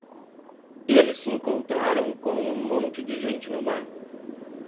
Eles se encontraram com um monte de gente no bar.